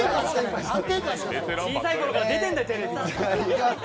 小さいころから出てるんだよテレビ！